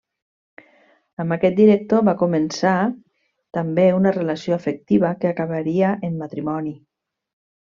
Amb aquest director va començar també una relació afectiva que acabaria en matrimoni.